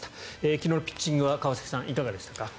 昨日のピッチングはいかがでしたか。